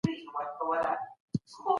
د نساجۍ صنعت په هېواد کي ډېر مهم دی.